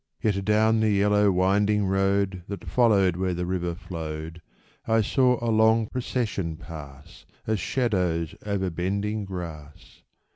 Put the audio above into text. Yet down the yellow, winding road That followed where the river flowed. I saw a long procession pass As shadows over bending grass.